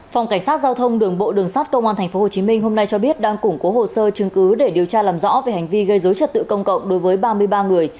phòng cảnh sát giao thông đường bộ đường sát công an tp hcm hôm nay cho biết đang củng cố hồ sơ chứng cứ để điều tra làm rõ về hành vi gây dối trật tự công cộng đối với ba mươi ba người